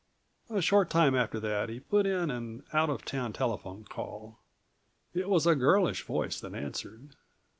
A short time after that he put in an out of town telephone call. It was a girlish voice that answered.